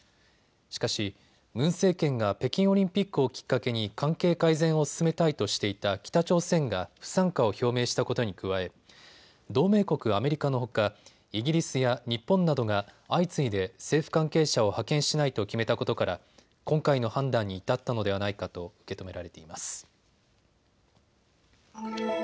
しかし、ムン政権が北京オリンピックをきっかけに関係改善を進めたいとしていた北朝鮮が不参加を表明したことに加え同盟国アメリカのほか、イギリスや日本などが相次いで政府関係者を派遣しないと決めたことから今回の判断に至ったのではないかと受け止められています。